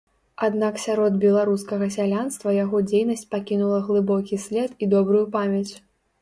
Аднак сярод беларускага сялянства яго дзейнасць пакінула глыбокі след і добрую памяць.